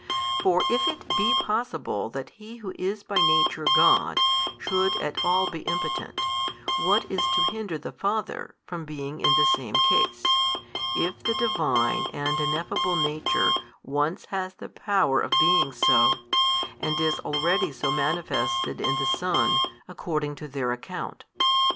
For if it be possible that He Who is by Nature God should at all be impotent, what is to hinder the Father from being in the same case, if the Divine and Ineffable Nature once has the power of being so, and is already so manifested in the Son, according to their account?